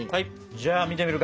じゃあ見てみるか。